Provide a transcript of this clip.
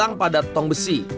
pasang pada tong besi